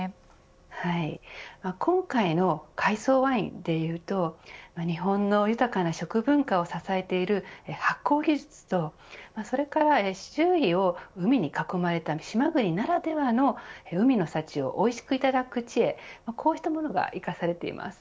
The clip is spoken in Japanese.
はい、今回の海藻ワインと日本の豊かな食文化を支えている発酵技術と、それから周囲を海に囲まれた島国ならではの海の幸をおいしくいただく知恵こうしたものが生かされています。